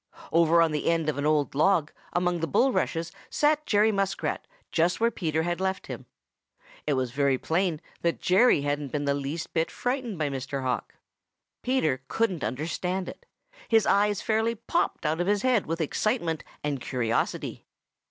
Over on the end of an old log among the bulrushes sat Jerry Muskrat just where Peter had left him. It was very plain that Jerry hadn't been the least bit frightened by Mr. Hawk. Peter couldn't understand it. His eyes fairly popped out of his head with excitement and curiosity.